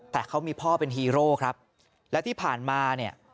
แต่เขามีพ่อเป็นฮีโร่ครับและที่ผ่านมาเนี่ย